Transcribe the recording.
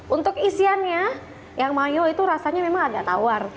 untuk isiannya yang mayo itu rasanya memang agak tawar